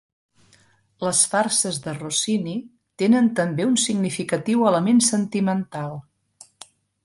Les farses de Rossini tenen també un significatiu element sentimental.